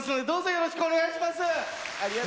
よろしくお願いします。